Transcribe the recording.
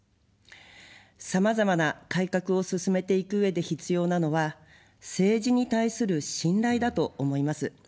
さまざまな改革を進めていくうえで必要なのは政治に対する信頼だと思います。